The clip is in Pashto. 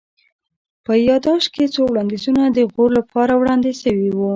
په يا ياداشت کي څو وړانديزونه د غور لپاره وړاندي سوي وه